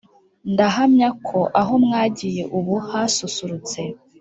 ndahamya ko aho mwagiye ubu harasusurutse